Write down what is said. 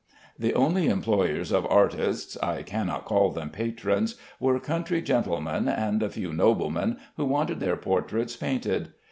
The only employers of artists (I cannot call them patrons) were country gentlemen and a few noblemen who wanted their portraits painted.